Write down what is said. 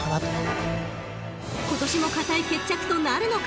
［今年も堅い決着となるのか］